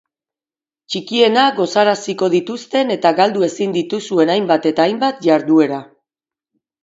Txikienak gozaraziko dituzten eta galdu ezin dituzuen hainbat eta hainbat jarduera.